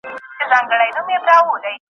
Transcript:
د پانګې مقدار په بازار کي زيات سوی دی.